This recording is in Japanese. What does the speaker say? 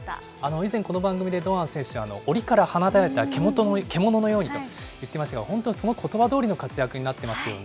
以前、この番組で堂安選手、おりから放たれた獣のようにと言ってましたが、本当にそのことばどおりの活躍になっていますよね。